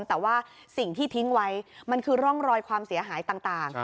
แต่ว่าสิ่งที่ทิ้งไว้มันคือร่องรอยความเสียหายต่าง